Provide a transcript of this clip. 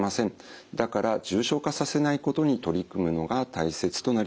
だから重症化させないことに取り組むのが大切となります。